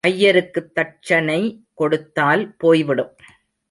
ஐயருக்குத் தட்சணை கொடுத்தால் போய்விடும்.